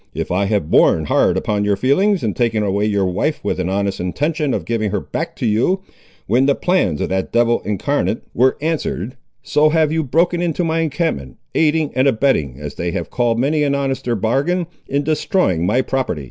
If I have borne hard upon your feelings, in taking away your wife with an honest intention of giving her back to you, when the plans of that devil incarnate were answered, so have you broken into my encampment, aiding and abetting, as they have called many an honester bargain, in destroying my property."